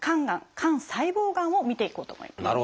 肝細胞がんを見ていこうと思います。